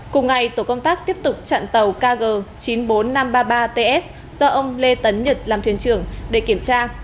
cùng ngày tổ công tác tiếp tục chặn tàu kg chín mươi bốn nghìn năm trăm ba mươi ba ts do ông lê tấn nhật làm thuyền trưởng để kiểm tra